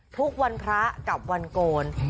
ทุกวันพระกับวันโกน